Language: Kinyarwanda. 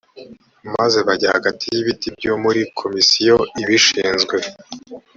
maze bajya hagati y ibiti byo muri komisiyo ibishinzwe